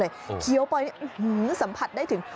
เมื่อกี้เสียวไปสัมผัสได้ถึง